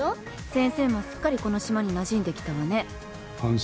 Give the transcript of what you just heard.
先生もすっかりこの島になじんできたわね。